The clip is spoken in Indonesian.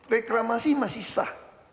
reklamasi masih sah